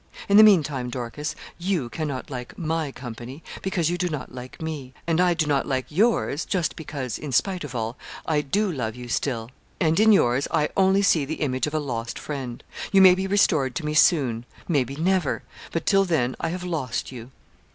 In the meantime, Dorcas, you cannot like my company, because you do not like me; and I do not like yours, just because, in spite of all, I do love you still; and in yours I only see the image of a lost friend. You may be restored to me soon maybe never but till then, I have lost you.'